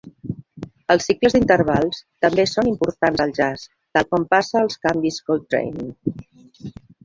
Els cicles d"intervals també són importants al jazz, tal com passa als canvis Coltrane.